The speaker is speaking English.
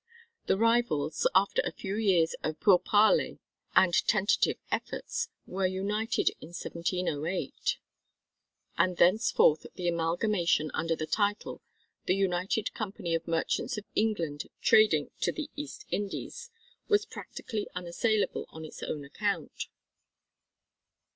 The rivals, after a few years of pourparlers and tentative efforts, were united in 1708; and thenceforth the amalgamation, under the title "The United Company of Merchants of England trading to the East Indies," was practically unassailable on its own account.